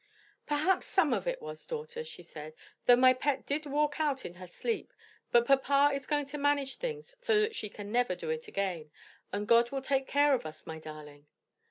"Perhaps some of it was, daughter," she said, "though my pet did walk out in her sleep; but papa is going to manage things so that she can never do it again. And God will take care of us, my darling."